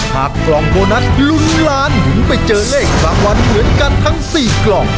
หากกล่องโบนัสลุ้นล้านหยุดไปเจอเลขประวัติเหมือนกันทั้ง๔กล่อง